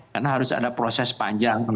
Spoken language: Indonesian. karena harus ada proses panjang